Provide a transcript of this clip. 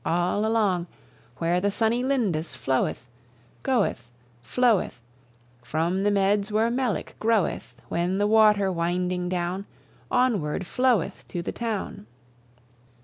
all along Where the sunny Lindis floweth, Goeth, floweth; From the meads where melick groweth, When the water winding down, Onward floweth to the town.